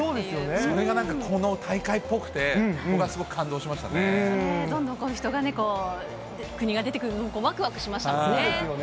それがなんかこの大会っぽくどんどん人が、国が出てくるとわくわくしましたよね。